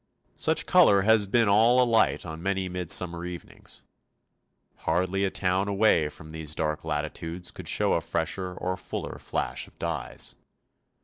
Such colour has been all alight on many midsummer evenings. Hardly a town away from these dark latitudes could show a fresher or fuller flash of dyes.